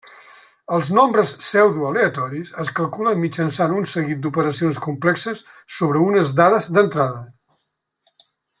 Els nombres pseudoaleatoris es calculen mitjançant un seguit d'operacions complexes sobre unes dades d'entrada.